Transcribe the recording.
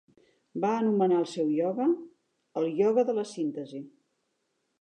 Va anomenar el seu ioga "El ioga de la síntesi".